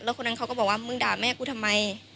คนนั้นเขาก็บอกว่ามึงด่าแม่กูทำไม